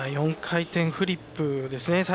４回転フリップですね。